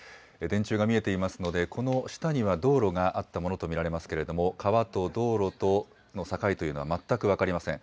電柱が見えていますので、この下には道路があったものと見られますけれども、川と道路との境というのは、全く分かりません。